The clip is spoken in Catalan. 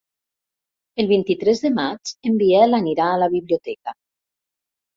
El vint-i-tres de maig en Biel anirà a la biblioteca.